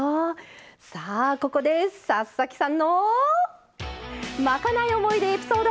ここで佐々木さんのまかない思い出エピソード。